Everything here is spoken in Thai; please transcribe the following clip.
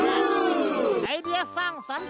เกิดไม่ทันอ่ะ